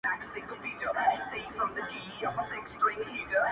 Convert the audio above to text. • ښه وو تر هري سلگۍ وروسته دي نيولم غېږ کي،